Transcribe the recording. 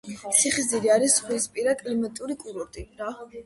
ციხისძირი არის ზღვისპირა კლიმატური კურორტი.